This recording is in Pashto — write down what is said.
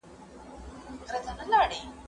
زه وخت نه تېرووم؟!